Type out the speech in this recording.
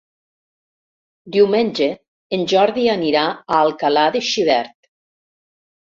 Diumenge en Jordi anirà a Alcalà de Xivert.